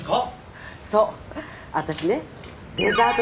そう私ねデザート